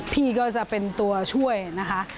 พี่ก็จะเป็นตัวช่วยนะคะ